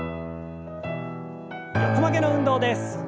横曲げの運動です。